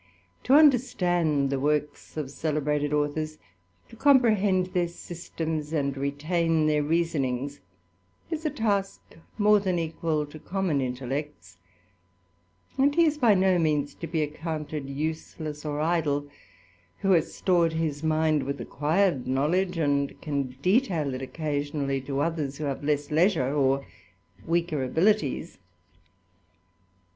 To Understand the works of celebrated authors, to comprehend :heir systems, and retain their reasonings, is a task more iian equal to common intellects ; and he is by no means to DC accounted useless or idle, who has stored his mind with icquired knowledge, and can detail it occasionally to others ¥ho have less leisure or weaker abilities.